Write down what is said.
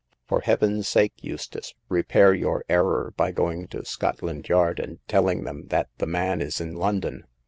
" For heaven's sake, Eustace, repair your error by going to Scotland Yard and telling them that the man is in London